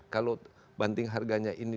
kalau banding harganya ini